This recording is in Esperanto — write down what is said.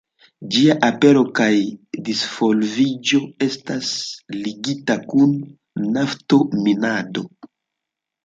Ĝia apero kaj disvolviĝo estas ligita kun nafto-minado.